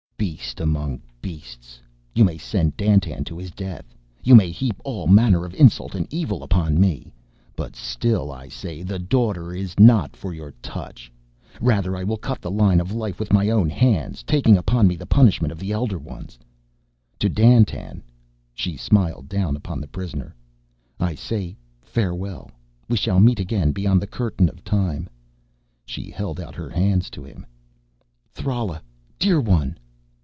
"Beast among beasts, you may send Dandtan to his death, you may heap all manner of insult and evil upon me, but still I say the Daughter is not for your touch. Rather will I cut the line of life with my own hands, taking upon me the punishment of the Elder Ones. To Dandtan," she smiled down upon the prisoner, "I say farewell. We shall meet again beyond the Curtain of Time." She held out her hands to him. "Thrala, dear one